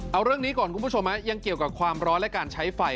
เอาเรื่องนี้ก่อนคุณผู้ชมยังเกี่ยวกับความร้อนและการใช้ไฟ